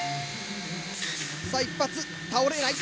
さぁ１発倒れない。